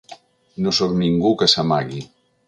No sóc ningú que s’amagui.